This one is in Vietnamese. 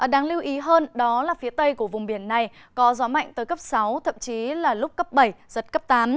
đáng lưu ý hơn đó là phía tây của vùng biển này có gió mạnh tới cấp sáu thậm chí là lúc cấp bảy giật cấp tám